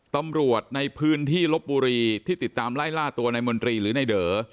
ตำรวจในพื้นที่ลบบุรีที่ติดตามไล่ล่าตัวนายมนตรีหรือในเด๋อ